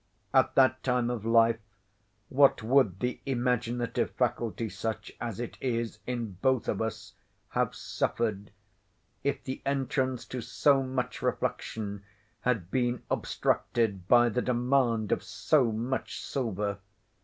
At that time of life, what would the imaginative faculty (such as it is) in both of us, have suffered, if the entrance to so much reflection had been obstructed by the demand of so much silver!